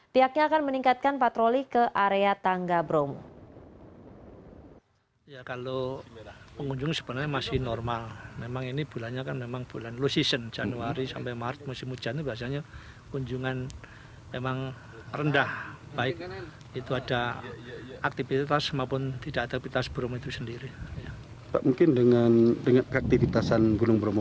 pihaknya akan meningkatkan patroli ke area tangga bromo